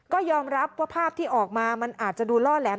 ก็ยอมรับว่าภาพที่ออกมามันอาจจะดูล่อแหลม